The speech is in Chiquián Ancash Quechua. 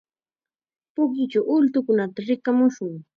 Pukyuchaw ultukunata rikamushun.